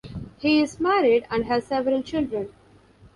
He is married and has several children.